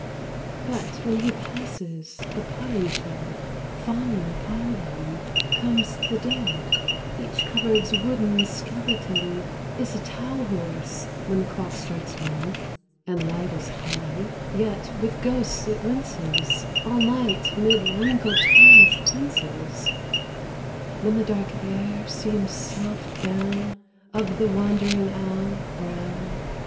But when he passes the pottingshed, Fawning upon him comes the dead — Each cupboard's wooden skeleton Is a towel horse when the clock strikes one And light is high — yet with ghosts it winces All night mid wrinkled tarnished quinces, When the dark air seems soft down Of the wandering owl brown.